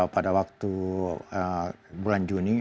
pada waktu bulan juni